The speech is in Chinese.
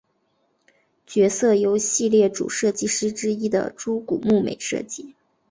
角色由系列主设计师之一的猪股睦美设计。